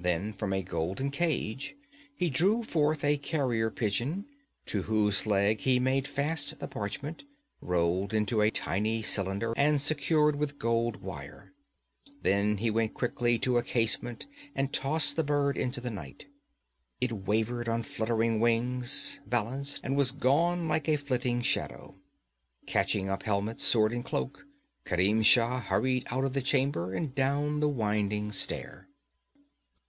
Then from a golden cage he drew forth a carrier pigeon, to whose leg he made fast the parchment, rolled into a tiny cylinder and secured with gold wire. Then he went quickly to a casement and tossed the bird into the night. It wavered on fluttering wings, balanced, and was gone like a flitting shadow. Catching up helmet, sword and cloak, Kerim Shah hurried out of the chamber and down the winding stair.